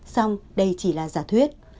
xong đây chỉ là giả thuyết